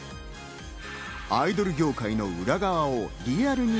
アイドル業界の裏側をリアルに